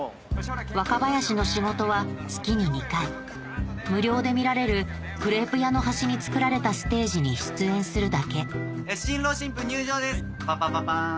若林の仕事は月に２回無料で見られるクレープ屋の端に造られたステージに出演するだけ新郎新婦入場ですパパパパン。